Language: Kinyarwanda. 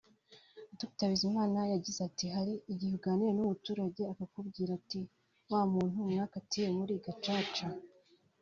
Dr Bizimana yagize ati “Hari igihe uganira n’umuturage akakubwira ati wa muntu mwakatiye muri Gacaca